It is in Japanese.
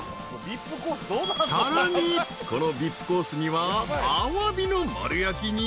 ［さらにこのＶＩＰコースにはアワビの丸焼きに］